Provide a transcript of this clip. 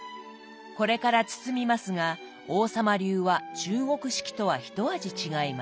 これから包みますが王様流は中国式とは一味違います。